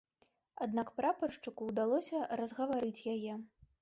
Аднак прапаршчыку ўдалося разгаварыць яе.